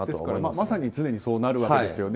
まさに常にそうなるわけですよね。